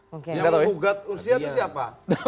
yang menggugat usia itu siapa